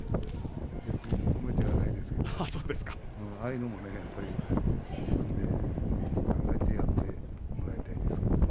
別に褒めてはいないですがああいうのも自分で考えてやってほしいですね。